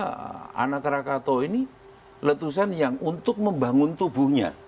letusan anak krakatau ini letusan yang untuk membangun tubuhnya